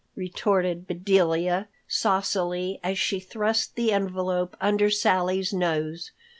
retorted Bedelia saucily, as she thrust the envelope under Sally's nose.